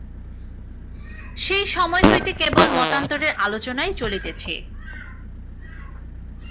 সেই সময় হইতে কেবল মতান্তরের আলোচনাই চলিতেছে।